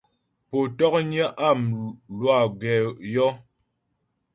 Pó ntɔ̌knyə́ a mlwâ gɛ yɔ́.